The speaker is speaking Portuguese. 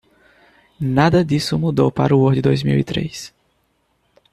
Nada disso mudou para o Word dois mil e três.